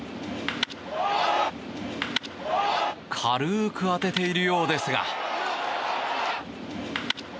軽く当てているようですが。